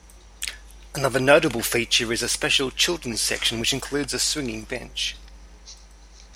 Another notable feature is a special children's section, which includes a swinging bench.